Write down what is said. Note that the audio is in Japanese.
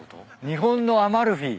日本のアマルフィ。